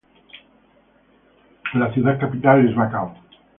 La ciudad capital es Bacău.